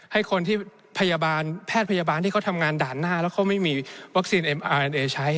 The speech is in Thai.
ให้คนที่พยาบาลแพทย์พยาบาลที่เขาทำงานด่านหน้าแล้วเขาไม่มีวัคซีนเอใช้